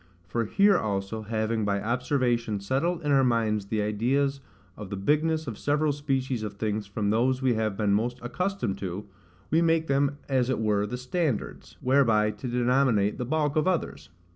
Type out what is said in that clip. For here also, having, by observation, settled in our minds the ideas of the bigness of several species of things from those we have been most accustomed to, we make them as it were the standards, whereby to denominate the bulk of others.